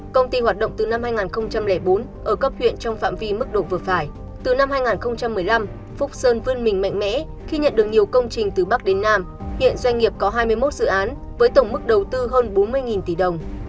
công ty hoạt động từ năm hai nghìn bốn ở cấp huyện trong phạm vi mức độ vừa phải từ năm hai nghìn một mươi năm phúc sơn vươn mình mạnh mẽ khi nhận được nhiều công trình từ bắc đến nam hiện doanh nghiệp có hai mươi một dự án với tổng mức đầu tư hơn bốn mươi tỷ đồng